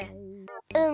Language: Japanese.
うん。